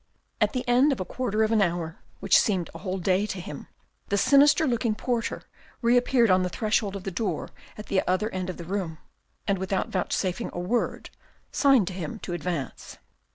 At the end of a quarter of an hour, which seemed a whole day to him, the sinister looking porter reappeared on the threshold of a door at the other end of the room, and without vouchsafing a word, signed to him to advance.